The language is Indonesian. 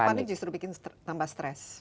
karena panik justru bikin tambah stres